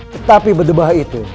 tetapi berdebah itu